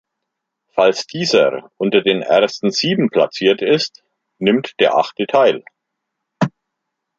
Falls dieser unter den ersten sieben platziert ist, nimmt der Achte teil.